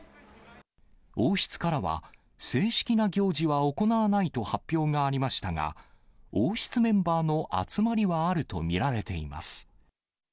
王室からは正式な行事は行わないと発表がありましたが、王室メンバーの集まりはあると見られています。